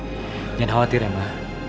jangan khawatir ya ma